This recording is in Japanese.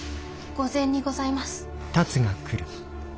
御膳にございます。